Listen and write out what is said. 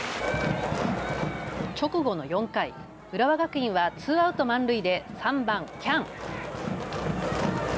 直後の４回、浦和学院はツーアウト満塁で３番・喜屋武。